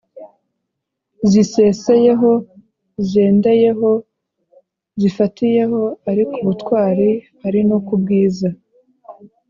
ziseseyeho: zendeyeho, zifatiyeho ari ku butwari ari no kubwiza